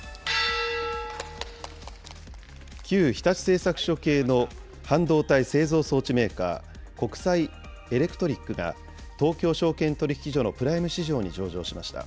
旧日立製作所系の半導体製造装置メーカー、ＫＯＫＵＳＡＩＥＬＥＣＴＲＩＣが、東京証券取引所のプライム市場に上場しました。